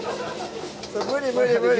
それ無理無理無理！